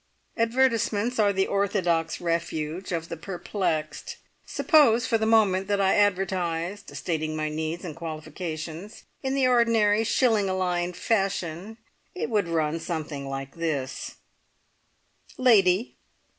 Advertisements are the orthodox refuge of the perplexed. Suppose, for the moment, that I advertised, stating my needs and qualifications in the ordinary shilling a line fashion. It would run something like this: "Lady.